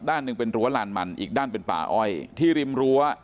ด้านหนึ่งเป็นรั้วลานมันอีกด้านเป็นป่าอ้อยที่ริมรั้ว